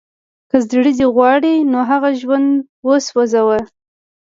که زړه دې غواړي نو هغه ژوندی وسوځوه